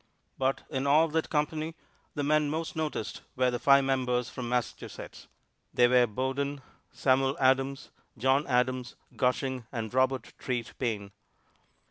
But in all that company the men most noticed were the five members from Massachusetts. They were Bowdoin, Samuel Adams, John Adams, Gushing and Robert Treat Paine.